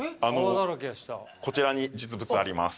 こちらに実物あります。